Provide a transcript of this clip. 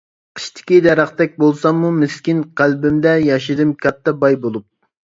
قىشتىكى دەرەختەك بولساممۇ مىسكىن، قەلبىمدە ياشىدىم كاتتا باي بولۇپ.